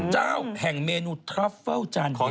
เจ้าแห่งเมนูทรัฟเฟิลล์จานเด็ด